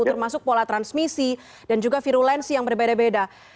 termasuk pola transmisi dan juga virulensi yang berbeda beda